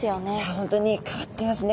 本当に変わってますね。